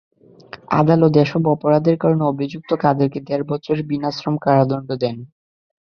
আদালত এসব অপরাধের কারণে অভিযুক্ত কাদেরকে দেড় বছর বিনাশ্রম কারাদণ্ড দেন।